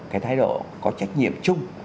cái thái độ có trách nhiệm chung